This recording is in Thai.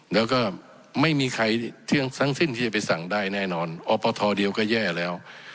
แล้วก็ไม่มีใครทั้งสิ้นที่จะไปสั่งได้แน่นอนอปทเดียวก็แย่แล้ว